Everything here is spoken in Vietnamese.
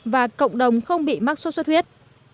và cộng đồng không bị mắc sốt xuất huyết